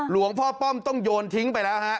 พ่อป้อมต้องโยนทิ้งไปแล้วฮะ